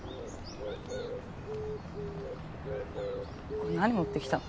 これ何持ってきたの？